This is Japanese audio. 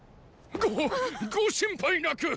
ごご心配なく！